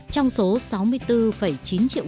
trong số sáu mươi bốn chín triệu